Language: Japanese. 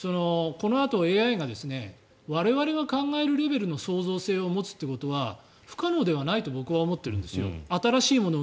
そういうことで言えばこのあとＡＩが我々が考えるレベルの創造性を持つことは不可能ではないと考えているんですよ。